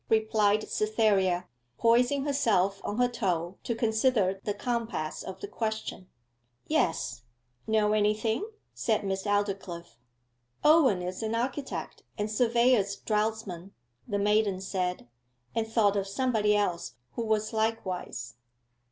replied Cytherea, poising herself on her toe to consider the compass of the question. 'Yes know anything,' said Miss Aldclyffe. 'Owen is an architect and surveyor's draughtsman,' the maiden said, and thought of somebody else who was likewise.